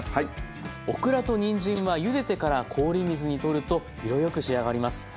オクラとにんじんはゆでてから氷水にとると色よく仕上がります。